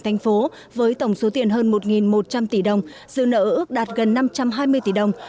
thành phố với tổng số tiền hơn một một trăm linh tỷ đồng dư nợ ước đạt gần năm trăm hai mươi tỷ đồng